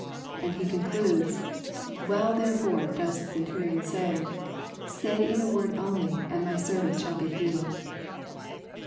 And he concludes, " Well therefore does the Centurion say, * say in a word only, and my servant shall be healed.'